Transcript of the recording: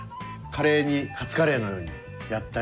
カレーにカツカレーのようにやったり。